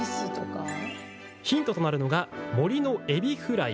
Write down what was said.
ヒントとなるのが森のエビフライ。